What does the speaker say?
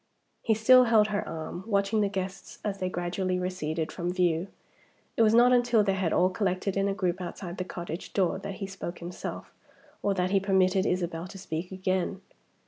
He still held her arm, watching the guests as they gradually receded from view. It was not until they had all collected in a group outside the cottage door that he spoke himself, or that he permitted Isabel to speak again.